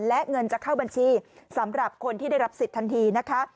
และเงินจะเข้าบัญชีสำหรับคนที่ได้รับสิทธิทันทีนะคะ